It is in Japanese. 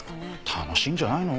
楽しいんじゃないの？